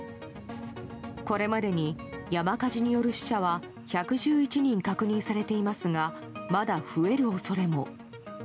これまでに山火事による死者は１１１人確認されていますがまだ増える恐れも。